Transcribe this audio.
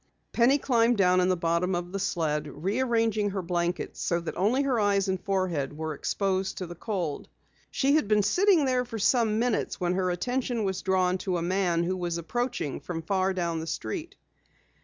Penny climbed down in the bottom of the sled, rearranging her blankets so that only her eyes and forehead were exposed to the cold. She had been sitting there for some minutes when her attention was drawn to a man who was approaching from far down the street.